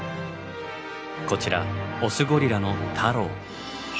こちらオスゴリラのタロウ。